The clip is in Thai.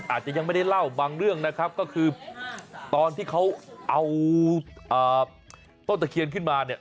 อาจจะยังไม่ได้เล่าบางเรื่องนะครับก็คือตอนที่เขาเอาต้นตะเคียนขึ้นมาเนี่ย